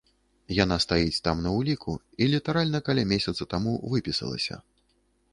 Яна стаіць там на ўліку і літаральна каля месяца таму выпісалася.